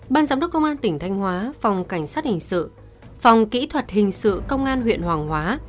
ban giám đốc công an tỉnh thanh hóa phòng cảnh sát hình sự phòng kỹ thuật hình sự công an huyện hoàng hóa